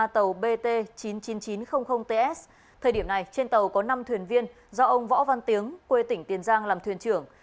thời điểm này trên tàu có năm thuyền viên do ông võ văn tiếng quê tỉnh tiền giang làm thuyền trưởng